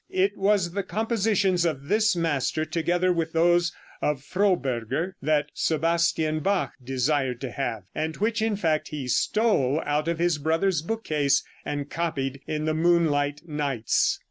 It was the compositions of this master, together with those of Froberger, that Sebastian Bach desired to have, and which, in fact, he stole out of his brother's book case, and copied in the moonlight nights.